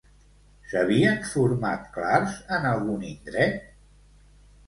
S'havien format clars en algun indret?